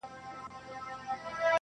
o بزه په خپل ښکر نه درنېږي!